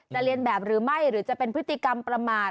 เรียนแบบหรือไม่หรือจะเป็นพฤติกรรมประมาท